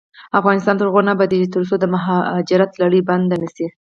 افغانستان تر هغو نه ابادیږي، ترڅو د مهاجرت لړۍ بنده نشي.